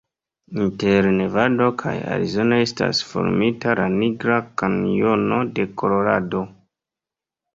Inter Nevado kaj Arizono estas formita la Nigra Kanjono de Kolorado.